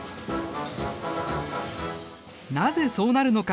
なぜそうなるのか。